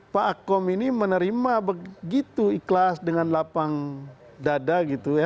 pak akom ini menerima begitu ikhlas dengan lapang dada gitu ya